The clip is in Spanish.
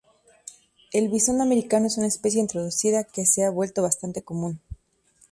El visón americano es una especie introducida que se ha vuelto bastante común.